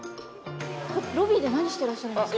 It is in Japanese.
ロビーで何してらっしゃるんですか？